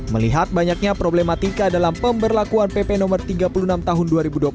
melihat banyaknya problematika dalam pemberlakuan pp no tiga puluh enam tahun dua ribu dua puluh satu